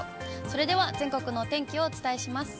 それでは全国のお天気をお伝えします。